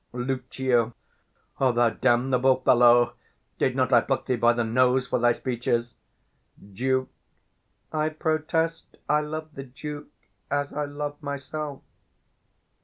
Lucio. O thou damnable fellow! Did not I pluck thee by the nose for thy speeches? Duke. I protest I love the Duke as I love myself.